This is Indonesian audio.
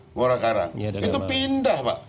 muara karang itu pindah pak